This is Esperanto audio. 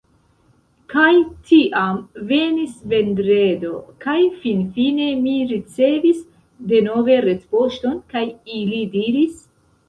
Kaj tiam venis Vendredo, kaj finfine, mi ricevis denove retpoŝton, kaj ili diris: